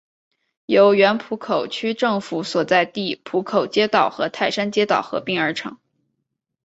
由原浦口区政府所在地浦口街道和泰山街道合并而成。